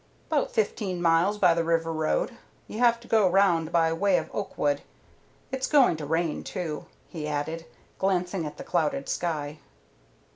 "'Bout fifteen miles by the river road. You have to go round by way of Oakwood. It's going to rain, too," he added, glancing at the clouded sky.